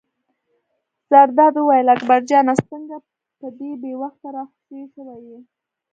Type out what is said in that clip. زرداد وویل: اکبر جانه څنګه په دې بې وخته را خوشې شوی یې.